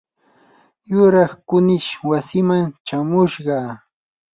yuraq kunish wasiiman chamushqa.